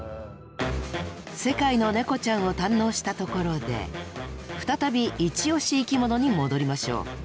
世界のネコちゃんを堪能したところで再び「イチ推し生きもの」に戻りましょう。